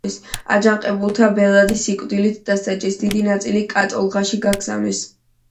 აჯანყებულთა ბელადები სიკვდილით დასაჯეს, დიდი ნაწილი კატორღაში გაგზავნეს.